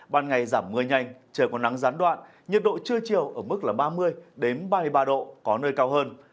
ban ngày giảm mưa nhanh trời còn nắng gián đoạn nhiệt độ trưa chiều ở mức ba mươi ba mươi ba độ có nơi cao hơn